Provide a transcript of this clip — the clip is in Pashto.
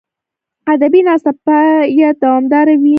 ادبي ناسته باید دوامداره وي.